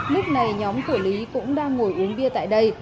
lúc này nhóm của lý cũng đang ngồi uống bia tại đây